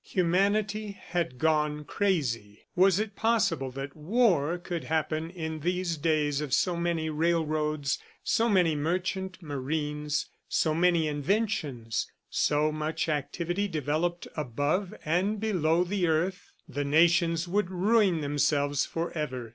Humanity had gone crazy. Was it possible that war could happen in these days of so many railroads, so many merchant marines, so many inventions, so much activity developed above and below the earth? ... The nations would ruin themselves forever.